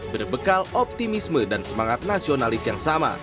berbekal optimisme dan semangat nasionalis yang sama